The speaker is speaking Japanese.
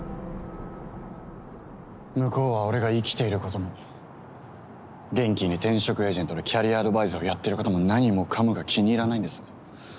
向こうは俺が生きていることも元気に転職エージェントでキャリアアドバイザーをやってることも何もかもが気に入らないんです。